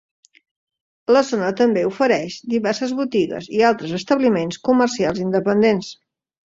La zona també ofereix diverses botigues i altres establiments comercials independents.